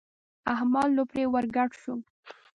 احمد لو پرې ور ګډ شو.